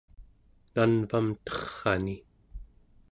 nanvam terr'ani